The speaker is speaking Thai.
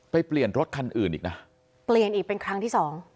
เปลี่ยนรถคันอื่นอีกนะเปลี่ยนอีกเป็นครั้งที่สอง